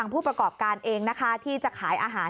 ผู้ประกอบการเองนะคะที่จะขายอาหาร